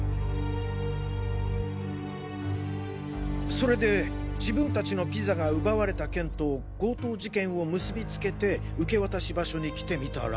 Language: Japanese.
それで自分たちのピザが奪われた件と強盗事件を結びつけて受け渡し場所に来てみたら。